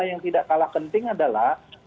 yang tidak kalah penting adalah